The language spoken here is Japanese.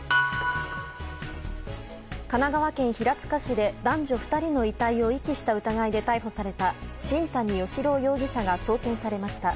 神奈川県平塚市で男女２人の遺体を遺棄した疑いで逮捕された新谷嘉朗容疑者が送検されました。